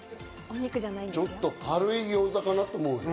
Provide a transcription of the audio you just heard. ちょっと軽い餃子かなって思う。